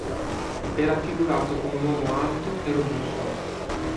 È raffigurato come un uomo alto e robusto.